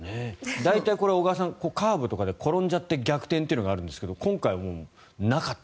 大体、小川さん、カーブとかで転んじゃって逆転というのがあるんですけど今回は、なかった。